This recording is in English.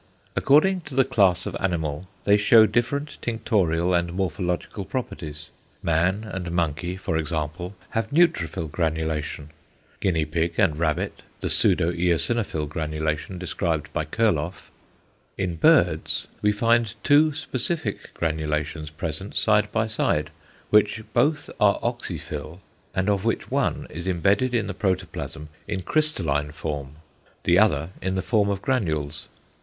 According to the class of animal they shew different tinctorial and morphological properties. Man and monkey for example have neutrophil granulation; guinea pig and rabbit the pseudo eosinophil granulation described by Kurloff; in birds we find two specific granulations present side by side, which both are oxyphil, and of which one is imbedded in the protoplasm in crystalline form, the other in the form of granules.